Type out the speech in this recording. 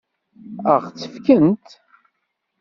Ad ɣ-tt-fkent?